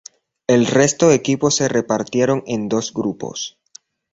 El resto de equipos se repartieron en dos grupos.